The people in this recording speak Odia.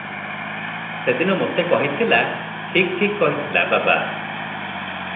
ସେଦିନ ମୋତେ କହିଥିଲା- ଠିକ୍ ଠିକ୍ କହିଥିଲା-ବାବା!